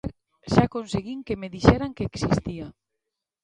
Xa conseguín que me dixeran que existía.